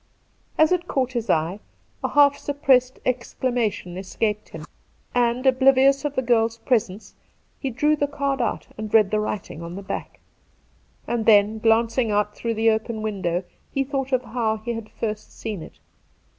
As it caught his eye a half suppressed exclamation escaped hipa, and, oblivious of the girl's presence, he drew the card out and read the writing on the back ; and then, glancing out through the open window, he thought of how he had first seen it.